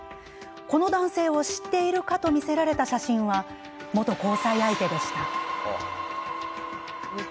この男性を知っているかと見せられた写真は元交際相手でした。